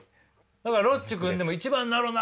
だからロッチ組んでも「一番なろな！」